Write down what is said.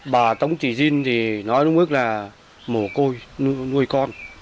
bà tống thị diên thì nói lúc mức là mổ côi nuôi con